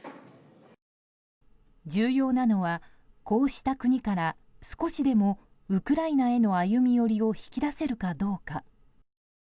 重要なのはこうした国から少しでもウクライナへの歩み寄りを引き出せるかどうか。